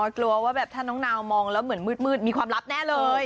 กลัวว่าแบบถ้าน้องนาวมองแล้วเหมือนมืดมีความลับแน่เลย